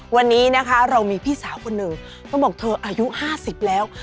วันนี้นะคะเรามีพี่สาวคนหนึ่งเขาบอกเธออายุ๕๐แล้ว